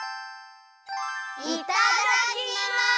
いただきます！